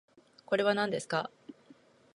これはなんですか？